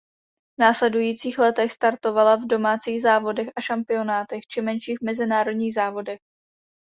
V následujících letech startovala v domácích závodech a šampionátech či menších mezinárodních závodech.